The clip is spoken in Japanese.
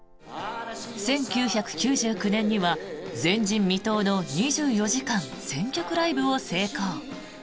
１９９９年には前人未到の２４時間１０００曲ライブを成功。